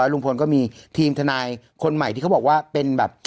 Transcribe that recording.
ลุงพลก็มีทีมทนายคนใหม่ที่เขาบอกว่าเป็นแบบ